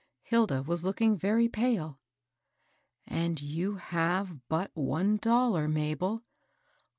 Hilda was looking very pale. " And you have but one dollar, Mabel